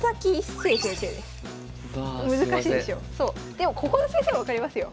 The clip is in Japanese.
でもここの先生は分かりますよ。